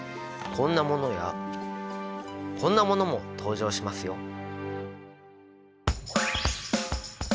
こんなものやこんなものも登場しますよ。